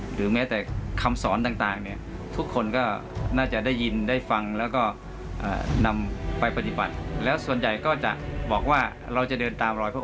หรือแม้แต่คำสอนต่างเนี่ย